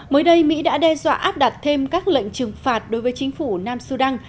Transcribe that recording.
mới đây mỹ đã đe dọa áp đặt thêm các lệnh trừng phạt đối với chính phủ nam sudan